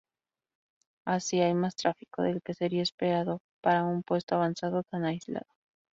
Así, hay más tráfico del que sería esperado para un puesto avanzado tan aislado.